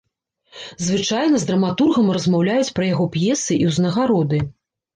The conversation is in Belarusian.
Звычайна з драматургам размаўляюць пра яго п'есы і ўзнагароды.